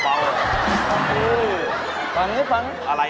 คืออย่างนี้